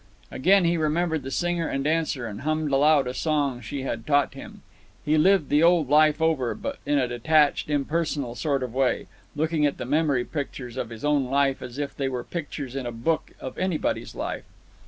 Again he remembered the singer and dancer and hummed aloud a song she had taught him. He lived the old life over, but in a detached, impersonal sort of way, looking at the memory pictures of his own life as if they were pictures in a book of anybody's life.